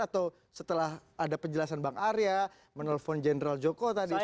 atau setelah ada penjelasan bang arya menelpon jenderal joko tadi